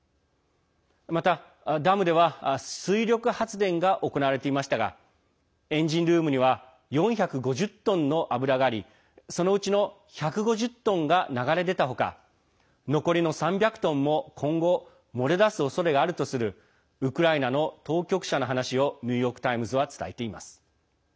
また、ダムでは水力発電が行われていましたがエンジンルームには４５０トンの油がありそのうちの１５０トンが流れ出た他残りの３００トンも今後漏れ出すおそれがあるとするウクライナの当局者の話をニューヨーク・タイムズは伝えています。